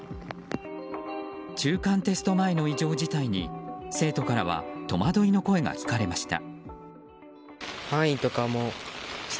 中間テスト前の異常事態に生徒からは戸惑いの声が聞かれました。